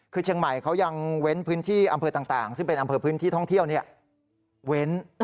คือเชียงใหม่เขายังเว้นพื้นที่อำเภอต่างซึ่งเป็นอำเภอพื้นที่ท่องเที่ยวเว้น